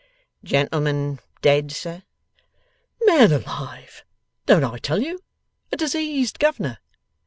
'Gentleman dead, sir?' 'Man alive, don't I tell you? A diseased governor?